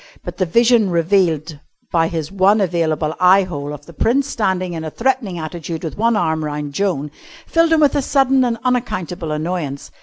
But the vision revealed by his one available eye hole of the Prince standing in a threatening attitude with one arm round Joan filled him with a sudden and unaccountable annoyance.